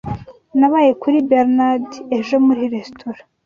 Nabaye kuri Bernard ejo muri resitora